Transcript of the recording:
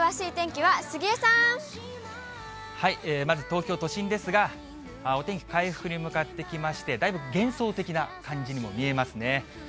まず東京都心ですが、お天気回復に向かってきまして、だいぶ幻想的な感じにも見えますね。